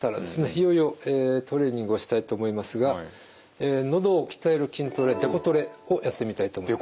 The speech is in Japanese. いよいよトレーニングをしたいと思いますがのどを鍛える筋トレデコトレをやってみたいと思います。